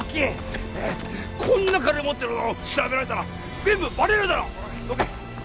こんな金持ってるのを調べられたら全部バレるだろう！どけ！